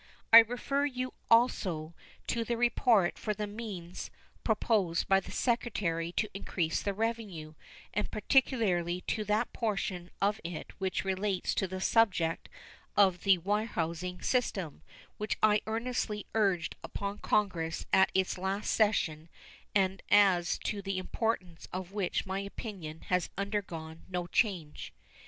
I refer you also to that report for the means proposed by the Secretary to increase the revenue, and particularly to that portion of it which relates to the subject of the warehousing system, which I earnestly urged upon Congress at its last session and as to the importance of which my opinion has undergone no change.